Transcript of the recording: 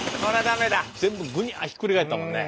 全部グニャひっくり返ったもんね。